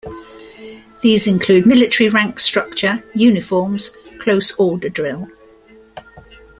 These include military rank structure, uniforms, close order drill.